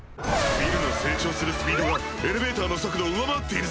ビルの成長するスピードがエレベーターの速度を上回っているぞ。